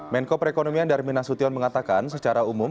menko perekonomian darmin nasution mengatakan secara umum